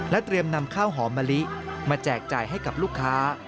เตรียมนำข้าวหอมมะลิมาแจกจ่ายให้กับลูกค้า